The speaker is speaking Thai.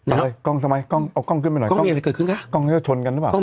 อะไรกล้องทำไมกล้องเอากล้องขึ้นไปหน่อยกล้องอะไรเกิดขึ้นคะกล้องเขาจะชนกันหรือเปล่า